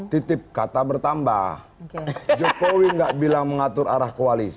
titip kata bertambah